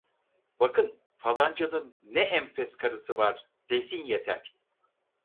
"Bakın, falancanın ne enfes karısı var!" desin yeter!